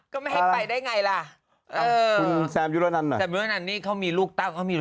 ก็ไม่ให้ไปได้ไงล่ะเออคุณแซมยูโรนันนี่เขามีลูกเต้าเขามี